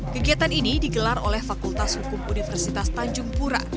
kegiatan ini digelar oleh fakultas hukum universitas tanjung pura